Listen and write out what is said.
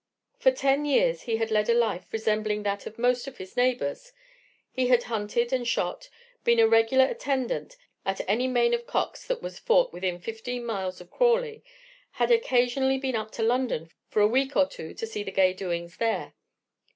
For ten years he had led a life resembling that of most of his neighbors; he had hunted and shot, been a regular attendant at any main of cocks that was fought within fifteen miles of Crawley, had occasionally been up to London for a week or two to see the gay doings there.